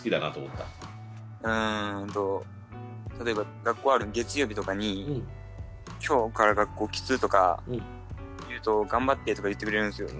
うんと例えば学校ある月曜日とかに「今日から学校きつっ」とか言うと「頑張って」とか言ってくれるんすよ。